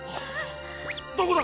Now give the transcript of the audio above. どこだ⁉